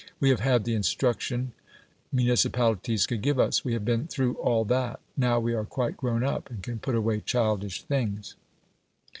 We have had the instruction municipalities could give us: we have been through all that. Now we are quite grown up, and can put away childish things.